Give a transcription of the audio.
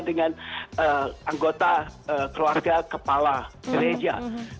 dengan anggota keluarga kepala gereja